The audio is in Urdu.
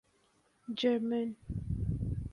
جرمن